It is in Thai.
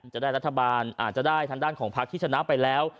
จะได้รัฐบาลอาจจะได้ทางด้านของพักที่ชนะไปแล้ว